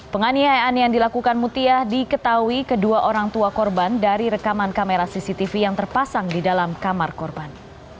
penganiayaan yang dilakukan mutia diketahui kedua orang tua korban dari rekaman kamera cctv yang terpasang di dalam kamar korban